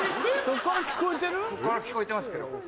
ここから聞こえてますけど。